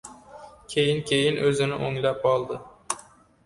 Keyin-keyin o‘zini o‘nglab oldi.